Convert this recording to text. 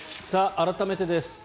改めてです。